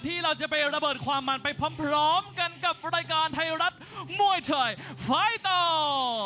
ที่เราจะไประเบิดความมันไปพร้อมกันกับรายการไทยรัฐมวยไทยไฟเตอร์